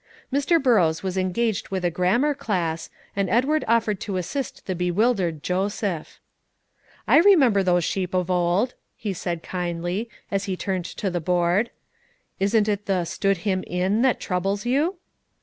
Mr. Burrows was engaged with a grammar class, and Edward offered to assist the bewildered Joseph. "I remember those sheep of old," he said kindly, as he turned to the board. "Isn't it the 'stood him in' that troubles you?"